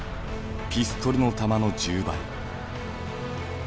ピストルの弾の１０倍。